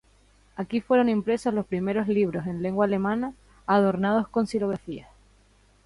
Aquí fueron impresos los primeros libros en lengua alemana adornados con xilografías.